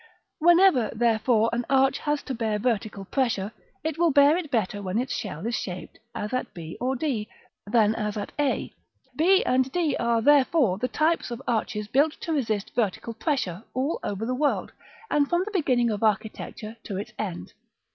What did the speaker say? § VII. Whenever, therefore, an arch has to bear vertical pressure, it will bear it better when its shell is shaped as at b or d, than as at a: b and d are, therefore, the types of arches built to resist vertical pressure, all over the world, and from the beginning of architecture to its end.